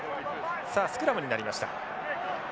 さあスクラムになりました。